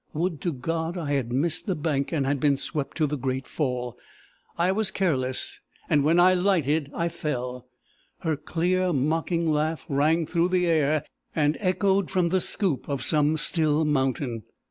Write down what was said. Would to God I had missed the bank, and been swept to the great fall! I was careless, and when I lighted, I fell. Her clear mocking laugh rang through the air, and echoed from the scoop of some still mountain.